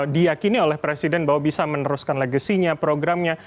diakini oleh presiden bahwa bisa meneruskan legasinya programnya